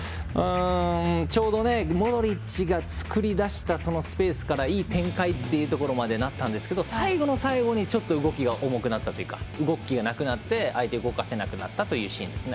ちょうどモドリッチが作り出したそのスペースから、いい展開っていうところまではなったんですけど最後の最後に、ちょっと動きが重くなったというか動きがなくなって相手を動かせなくなったシーンですね。